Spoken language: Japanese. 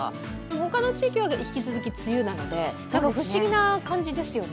他の地域は引き続き梅雨なので不思議な感じですよね。